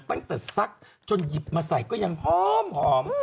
ตั้งแต่ซักจนหยิบมาใส่ก็ยังหอมหอม